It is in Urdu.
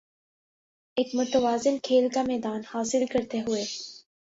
ایک متوازن کھیل کا میدان حاصل کرتے ہوے